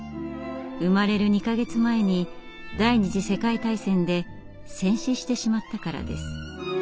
生まれる２か月前に第二次世界大戦で戦死してしまったからです。